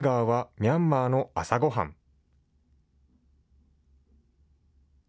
も、モヒンガーはミャンマーの朝ごはん。